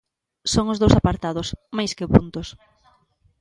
Son os dous apartados, máis que puntos.